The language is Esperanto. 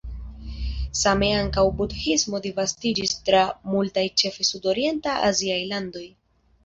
Same ankaŭ Budhismo disvastiĝis tra multaj ĉefe sudorienta aziaj landoj.